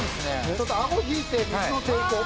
「ちょっとあご引いて水の抵抗を。